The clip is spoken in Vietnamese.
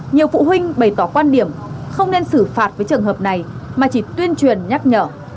nhiều phụ huynh bày tỏ quan điểm không nên xử phạt với trường hợp này mà chỉ tuyên truyền nhắc nhở